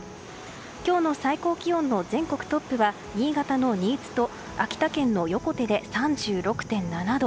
今日の最高気温の全国トップは新潟の新津と秋田県の横手で３６．７度。